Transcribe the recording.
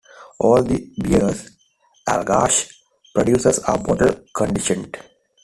All of the beers Allagash produces are bottle conditioned.